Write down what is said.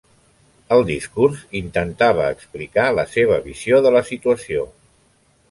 El discurs intentava explicar la seva visió de la situació.